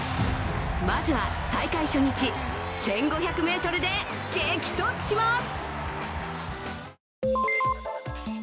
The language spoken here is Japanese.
まずは大会初日、１５００ｍで激突します。